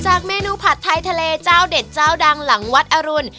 เมนูผัดไทยทะเลเจ้าเด็ดเจ้าดังหลังวัดอรุณ